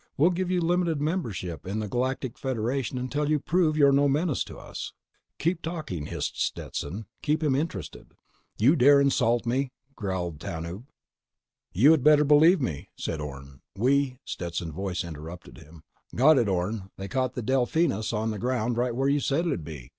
We'll give you limited membership in the Galactic Federation until you prove you're no menace to us." "Keep talking," hissed Stetson. "Keep him interested." "You dare insult me!" growled Tanub. "You had better believe me," said Orne. "We—" Stetson's voice interrupted him: "Got it, Orne! They caught the Delphinus _on the ground right where you said it'd be!